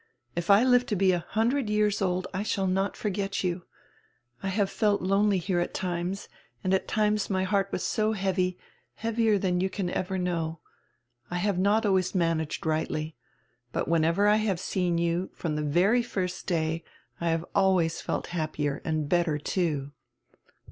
If I live to be a hun dred years old I shall not forget you. I have felt lonely here at times, and at times my heart was so heavy, heavier than you can ever know. I have not always managed rightly. But whenever I have seen you, from the very first day, I have always felt happier, and better, too."